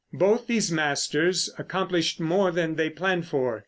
Both these masters accomplished more than they planned for.